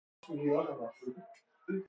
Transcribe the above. پاره وقت